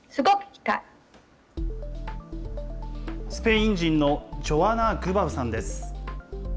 スペイン人のジョアナ・グバウさんです。